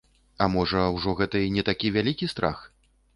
А можа, ужо гэта і не такі вялікі страх?